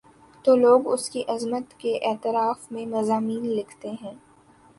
تو لوگ اس کی عظمت کے اعتراف میں مضامین لکھتے ہیں۔